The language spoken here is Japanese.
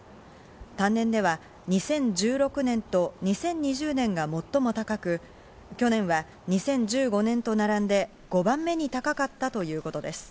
単年では２０１６年と２０２０年が最も高く、去年は２０１５年と並んで、５番目に高かったということです。